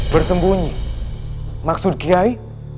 bersembunyi maksud kiai